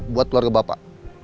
buat keluarga bapak